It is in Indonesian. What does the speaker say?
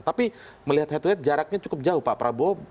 tapi melihat head to head jaraknya cukup jauh pak prabowo